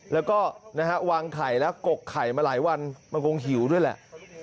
แล้วก็นะฮะวางไข่แล้วกกไข่มาหลายวันมันคงหิวด้วยแหละ